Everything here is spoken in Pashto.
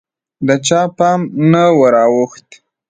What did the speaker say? د چا پام نه وراوښت